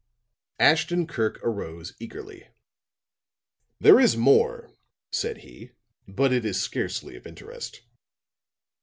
'" Ashton Kirk arose eagerly. "There is more," said he, "but it is scarcely of interest."